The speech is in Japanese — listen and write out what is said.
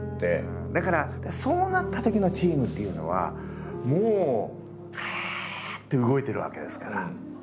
だからそうなったときのチームっていうのはもうばって動いてるわけですから。